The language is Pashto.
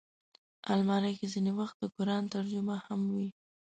الماري کې ځینې وخت د قرآن ترجمه هم وي